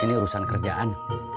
ini urusan kerjaan